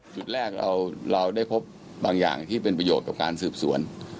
จุดแรกเราได้พบบางอย่างที่เป็นประโยชน์กับการสืบสวน